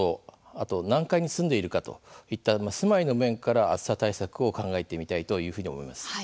あと、何階に住んでいるかといった住まいの面から暑さ対策を考えてみたいというふうに思います。